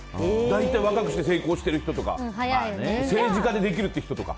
大体、若くして成功してる人とか。政治家でできるって人とか。